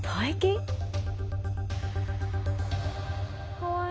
かわいい。